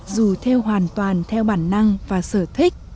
dù theo hoàn toàn theo bản năng và sở thích